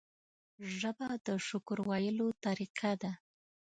ژبه د شکر ویلو طریقه ده